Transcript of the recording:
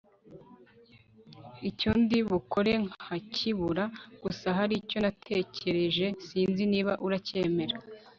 icyo ndi bukore nkakibura gusa hari icyo natekereje sinzi niba uracyemera